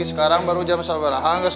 sekarang baru jam sabar hangus